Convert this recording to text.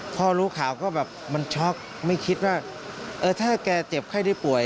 พอรู้ข่าวก็แบบมันช็อกไม่คิดว่าเออถ้าแกเจ็บไข้ได้ป่วย